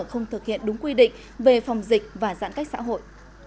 không thực hiện đúng quy định về phòng dịch và giãn cách xã hội